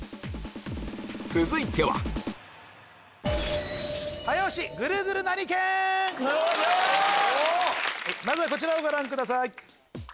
続いてはまずはこちらをご覧ください。